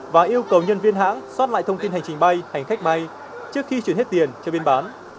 và yêu cầu nhân viên hãng xót lại thông tin hành trình bay hành khách bay trước khi chuyển hết tiền cho biên bán